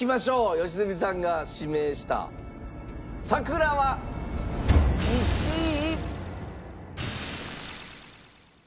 良純さんが指名した『さくら』は１位。